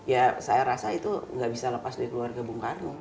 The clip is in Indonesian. ya saya rasa itu gak bisa lepas dari keluarga bung karno